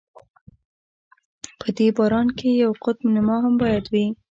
په دې باران کې یوه قطب نما هم باید وي.